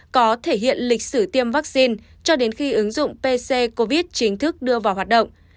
có thể hiện lịch sử tiêm vaccine cho đến khi ứng dụng pc covid chính thức đưa vào hoạt động